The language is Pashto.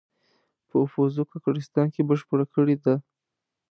په اپوزو کاکړستان کې بشپړه کړې ده.